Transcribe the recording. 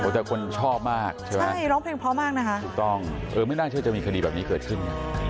แต่คนชอบมากใช่ไหมใช่ร้องเพลงเพราะมากนะคะถูกต้องเออไม่น่าเชื่อจะมีคดีแบบนี้เกิดขึ้น